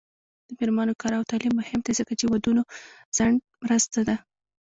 د میرمنو کار او تعلیم مهم دی ځکه چې ودونو ځنډ مرسته ده